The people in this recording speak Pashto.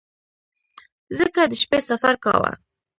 ځکه د شپې سفر کاوه.